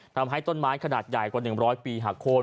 ทำให้ต้นไม้ขนาดใหญ่กว่า๑๐๐ปีหักโค้น